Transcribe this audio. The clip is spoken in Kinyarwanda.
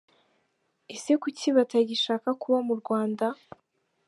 Ese kuki batagishaka kuba mu Rwanda?